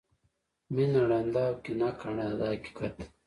مینه ړانده او کینه کڼه ده دا حقیقت دی.